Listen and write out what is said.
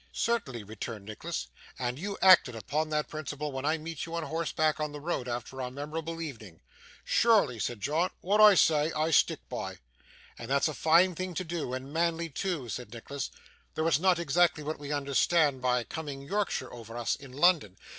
'Certainly,' returned Nicholas; 'and you acted upon that principle when I meet you on horseback on the road, after our memorable evening.' 'Sure ly,' said John. 'Wa'at I say, I stick by.' 'And that's a fine thing to do, and manly too,' said Nicholas, 'though it's not exactly what we understand by "coming Yorkshire over us" in London.